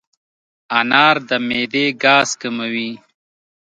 انار د معدې ګاز کموي.